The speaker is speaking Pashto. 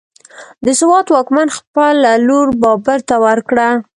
د سوات واکمن خپله لور بابر ته ورکړه،